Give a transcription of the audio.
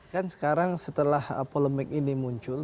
kan sekarang setelah polemik ini muncul